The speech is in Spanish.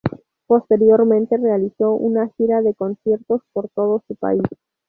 Posteriormente realizó una gira de conciertos por todo su país.